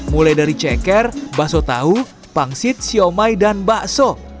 mulai dari ceker baso tau pangsit siomay dan bakso